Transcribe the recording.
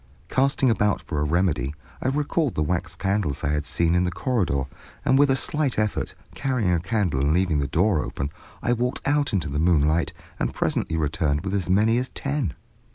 Casting about for a remedy, I recalled the wax candles I had seen in the corridor, and, with a slight effort, carrying a candle and leaving the door open, I walked out into the moonlight, and presently returned with as many as ten.